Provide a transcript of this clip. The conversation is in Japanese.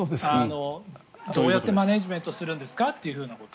どうやってマネジメントするんですか？ということ。